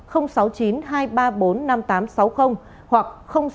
hoặc sáu mươi chín hai trăm ba mươi hai một nghìn sáu trăm sáu mươi bảy